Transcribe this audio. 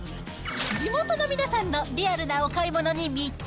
地元の皆さんのリアルなお買い物に密着。